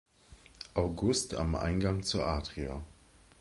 August am Eingang zur Adria.